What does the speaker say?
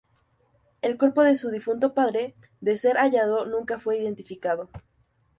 El cuerpo de su difunto padre, de ser hallado, nunca fue identificado.